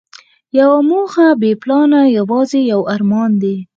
یوه موخه بې پلانه یوازې یو ارمان دی.